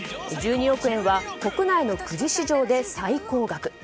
１２億円は国内のくじ市場で最高額。